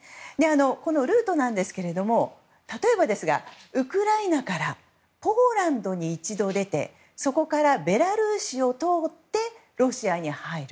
このルートですが例えばですがウクライナからポーランドに一度出てそこからベラルーシを通ってロシアに入る。